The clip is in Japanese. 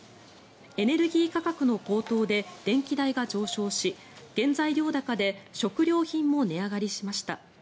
エネルギー価格の高騰で電気代が上昇し原材料高で食料品も値上がりしました。